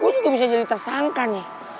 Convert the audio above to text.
gue juga bisa jadi tersangka nih